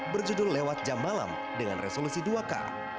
berjudul lewat jam malam dengan resolusi dua k